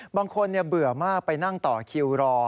เบื่อมากไปนั่งต่อคิวรอ